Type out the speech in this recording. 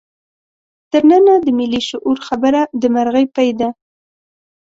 تر ننه د ملي شعور خبره د مرغۍ پۍ ده.